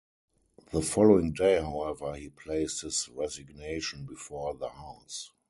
The following day, however, he placed his resignation before the House.